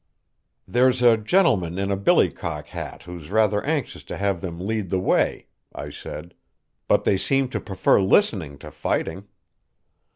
"There's a gentleman in a billycock hat who's rather anxious to have them lead the way," I said; "but they seem to prefer listening to fighting."